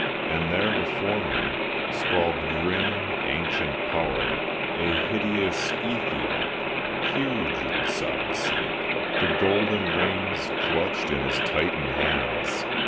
And there, before me, sprawled grim ancient Power, A hideous ethiope, huge in sodden sleep, The golden reins clutched in his titan hands.